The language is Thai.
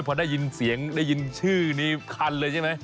พอได้ยินเสียงได้ยินชื่อนี้คันเลยใช่ไหม